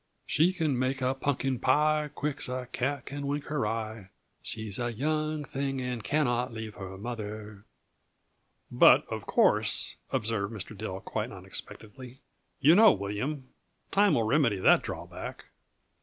"She can make a punkin pie quick's a cat can wink her eye, She's a young thing, and cannot leave her mother!" "But, of course," observed Mr. Dill quite unexpectedly, "you know, William, time will remedy that drawback."